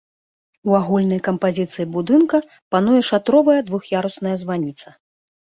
У агульнай кампазіцыі будынка пануе шатровая двух'ярусная званіца.